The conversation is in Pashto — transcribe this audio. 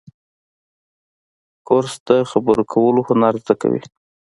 کورس د خبرو کولو هنر زده کوي.